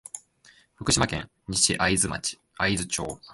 福島県西会津町